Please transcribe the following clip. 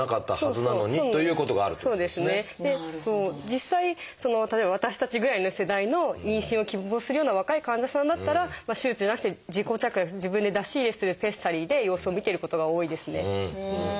実際例えば私たちぐらいの世代の妊娠を希望するような若い患者さんだったら手術じゃなくて自己着脱自分で出し入れするペッサリーで様子を見てることが多いですね。